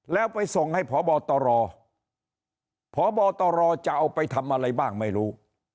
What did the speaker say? แล้วไปส่งให้พบตรพบตรจะเอาไปทำอะไรบ้างไม่รู้